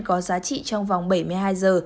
có giá trị trong vòng bảy mươi hai giờ